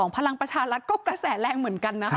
พลังประชารัฐก็กระแสแรงเหมือนกันนะคะ